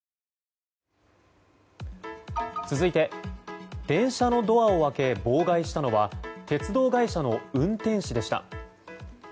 続いて、電車のドアを開け妨害したのは鉄道会社の運転士でした。